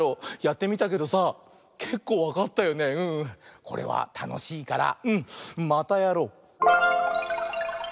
これはたのしいからうんまたやろう！